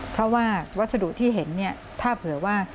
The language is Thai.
เพราะว่าวัสดุที่เห็นเนี่ยถ้าเผื่อว่า